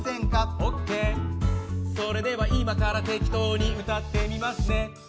オーケー、それでは今から適当に歌ってみますね。